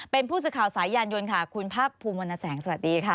เป็นผู้สื่อข่าวสายยานยนต์ค่ะคุณภาคภูมิวรรณแสงสวัสดีค่ะ